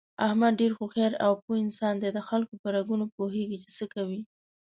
احمد ډېر هوښیار او پوه انسان دی دخلکو په رګونو پوهېږي، چې څه کوي...